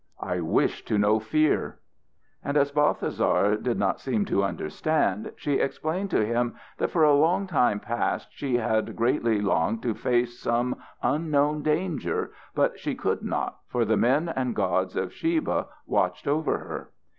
"I wish to know fear." And as Balthasar did not seem to understand, she explained to him that for a long time past she had greatly longed to face some unknown danger, but she could not, for the men and gods of Sheba watched over her.